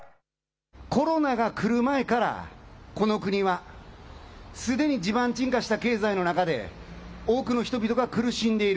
コロナが来る前から、この国はすでに地盤沈下した経済の中で多くの人々が苦しんでいる。